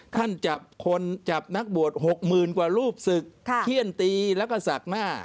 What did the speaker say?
จับคนจับนักบวช๖๐๐๐กว่ารูปศึกเขี้ยนตีแล้วก็ศักดิ์หน้า